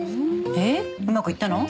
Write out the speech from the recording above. でうまくいったの？